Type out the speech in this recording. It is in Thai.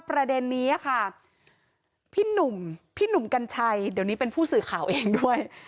ประเด็นนี้ค่ะพี่หนุ่มพี่หนุ่มกัญชัยเดี๋ยวนี้เป็นผู้สื่อข่าวเองด้วย